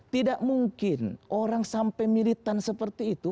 tidak mungkin orang sampai militan seperti itu